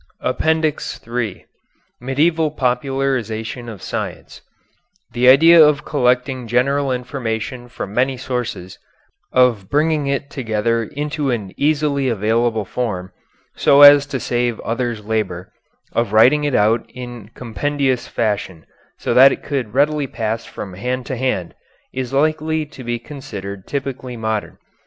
APPENDIX III MEDIEVAL POPULARIZATION OF SCIENCE The idea of collecting general information from many sources, of bringing it together into an easily available form, so as to save others labor, of writing it out in compendious fashion, so that it could readily pass from hand to hand, is likely to be considered typically modern.